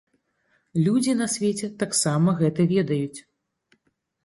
Людзі на свеце таксама гэта ведаюць.